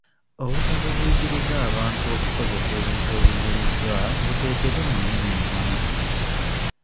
Obutabo obuyigiriza abantu okukozesa ebintu ebiguliddwa buteekebwe mu nnimi ennansi.